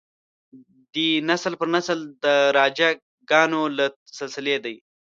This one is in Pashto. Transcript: دی نسل پر نسل د راجه ګانو له سلسلې دی.